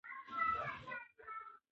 جګړه د انسانانو ترمنځ کرکه او تفرقه خپروي.